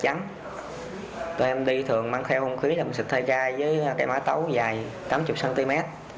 chúng tôi đi thường mang theo hung khí làm xịt hơi cay với cái mã tấu dài tám mươi cm